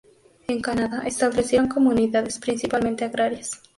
En Canadá establecieron comunidades, principalmente agrarias.